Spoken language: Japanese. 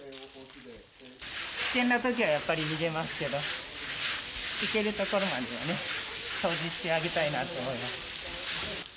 危険なときはやっぱり逃げますけど、いけるところまではね、掃除してあげたいなって思います。